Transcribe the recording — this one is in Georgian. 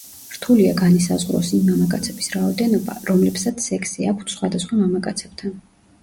რთულია განისაზღვროს იმ მამაკაცების რაოდენობა, რომლებსაც სექსი აქვთ სხვა მამაკაცებთან.